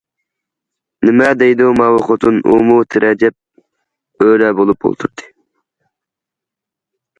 ‹ نېمە دەيدۇ ماۋۇ خوتۇن› ئۇمۇ تىرەجەپ ئۆرە بولۇپ ئولتۇردى.